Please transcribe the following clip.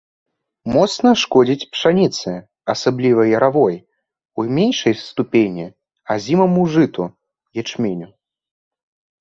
Моцна шкодзіць пшаніцы, асабліва яравой, у меншай ступені азімаму жыту, ячменю.